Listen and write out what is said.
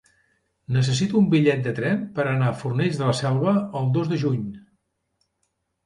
Necessito un bitllet de tren per anar a Fornells de la Selva el dos de juny.